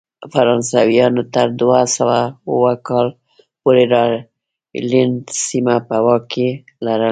فرانسویانو تر دوه سوه اووه کال پورې راینلنډ سیمه په واک کې لرله.